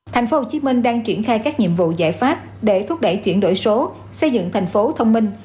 thành phố hồ chí minh đang triển khai các nhiệm vụ giải pháp để thúc đẩy chuyển đổi số xây dựng thành phố thông minh